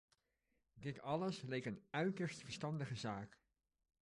Dit alles leek een uiterst verstandige zaak.